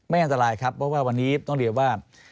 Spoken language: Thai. อันตรายครับเพราะว่าวันนี้ต้องเรียกว่า